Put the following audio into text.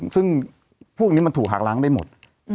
ซึ่งผู้หากล้างได้หมด